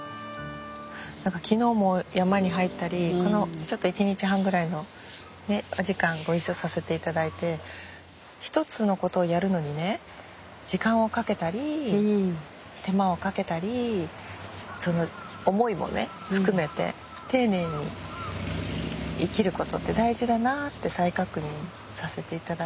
昨日も山に入ったりこのちょっと１日半ぐらいのお時間ご一緒させていただいて一つのことをやるのにね時間をかけたり手間をかけたりその思いもね含めて丁寧に生きることって大事だなって再確認させていただいたんですけど。